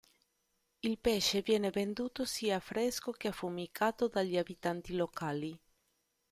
Il pesce viene venduto sia fresco che affumicato dagli abitanti locali:.